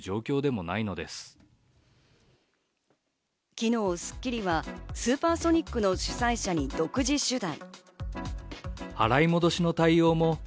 昨日『スッキリ』はスーパーソニックの主催者に独自取材。